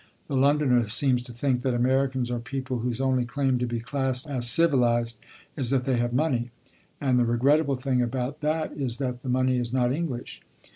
The Londoner seems to think that Americans are people whose only claim to be classed as civilized is that they have money, and the regrettable thing about that is that the money is not English.